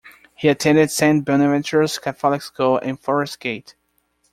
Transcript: He attended Saint Bonaventure's Catholic School in Forest Gate.